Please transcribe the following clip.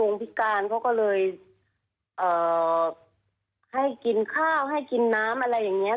เราจะจัดการกับเขายังไงดีจะแจ้งความจับเขาหรือยังไง